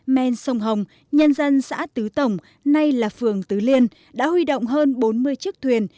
men sông hồng nhân dân xã tứ tổng nay là phường tứ liên đã huy động hơn bốn mươi chiếc thuyền